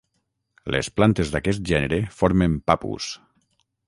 Les plantes d'aquest gènere formen papus.